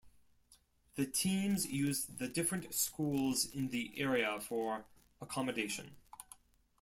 The teams use the different schools in the area for accommodation.